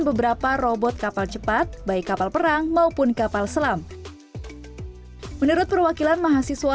beberapa robot kapal cepat baik kapal perang maupun kapal selam menurut perwakilan mahasiswa